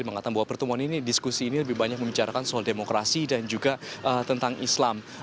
mengatakan bahwa pertemuan ini diskusi ini lebih banyak membicarakan soal demokrasi dan juga tentang islam